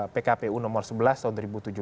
pkpu nomor sebelas tahun dua ribu tujuh belas